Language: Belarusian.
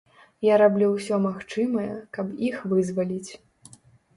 Я раблю ўсё магчымае, каб іх вызваліць.